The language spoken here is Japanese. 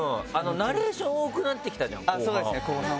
ナレーション多くなってきたじゃん後半。